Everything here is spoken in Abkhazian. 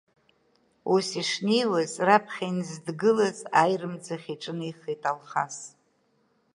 Ус ишнеиуаз, раԥхьа инзыдгылаз аирымӡ ахь иҿынеихеит Алхас.